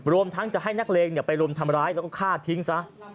ทั้งจะให้นักเลงไปรุมทำร้ายแล้วก็ฆ่าทิ้งซะ